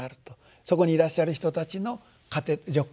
そこにいらっしゃる人たちの資糧食となる。